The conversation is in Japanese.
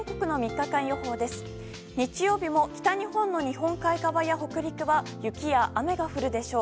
日曜日も北日本の日本海側や北陸は雪や雨が降るでしょう。